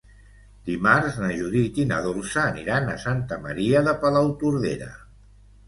Dimarts na Judit i na Dolça aniran a Santa Maria de Palautordera.